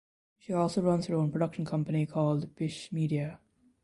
She also runs her own production company called Bish Media.